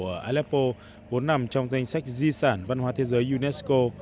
ở aleppo bốn năm trong danh sách di sản văn hóa thế giới unesco